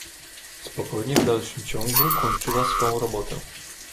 Spokojnie w dalszym ciągu kończyła swą robotę.